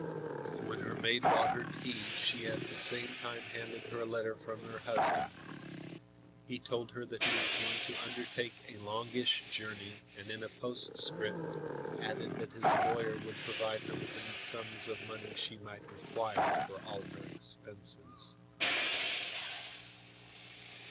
When her maid brought her tea she at the same time handed her a letter from her husband. He told her that he was going to undertake a longish journey and in a postscript added that his lawyer would provide her with any sums of money she might require for all her expenses.